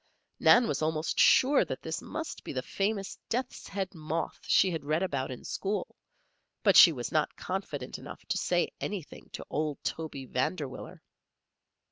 Nan was almost sure that this must be the famous death's head moth she had read about in school; but she was not confident enough to say anything to old Toby Vanderwiller.